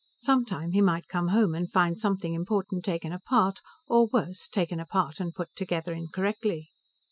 Sometime he might come home and find something important taken apart, or, worse, taken apart and put together incorrectly.